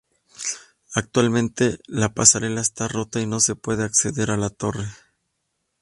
Actualmente la pasarela está rota y no se puede acceder a la torre.